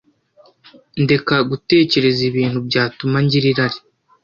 ndeka gutekereza ibintu byatuma ngira irari